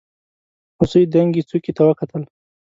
هوسۍ دنګې څوکې ته وکتل.